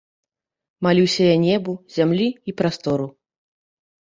Малюся я небу, зямлі і прастору.